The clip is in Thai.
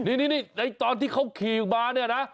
นี่ในตอนที่เขาขี่มาเนี่ยนะ